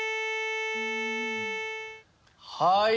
はい。